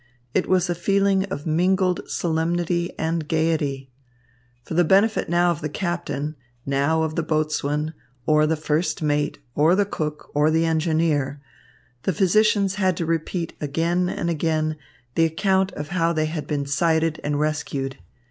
It was a feeling of mingled solemnity and gaiety. For the benefit now of the captain, now of the boatswain, or the first mate, or the cook, or the engineer, the physicians had to repeat again and again the account of how they had been sighted and rescued.